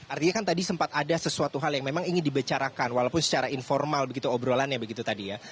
artinya kan tadi sempat ada sesuatu hal yang memang ingin dibicarakan walaupun secara informal begitu obrolannya begitu tadi ya